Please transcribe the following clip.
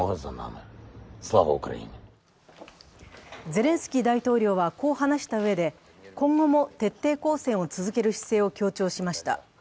ゼレンスキー大統領はこう話したうえで、今後も徹底抗戦を続ける姿勢を強調しました。